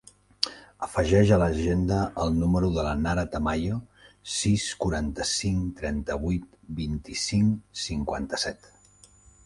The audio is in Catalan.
Afegeix a l'agenda el número de la Nara Tamayo: sis, quaranta-cinc, trenta-vuit, vint-i-cinc, cinquanta-set.